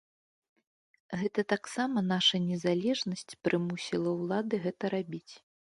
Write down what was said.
Гэта таксама наша незалежнасць прымусіла ўлады гэта рабіць.